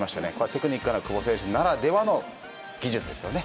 テクニックある久保選手ならではの技術ですね。